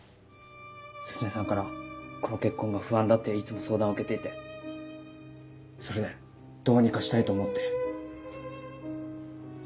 鈴音さんからこの結婚が不安だっていつも相談を受けていてそれでどうにかしたいと思って。